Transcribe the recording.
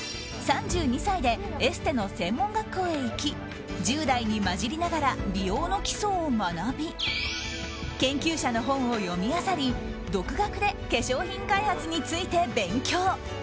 ３２歳でエステの専門学校へ行き１０代に交じりながら美容の基礎を学び研究者の本を読み漁り独学で化粧品開発について勉強。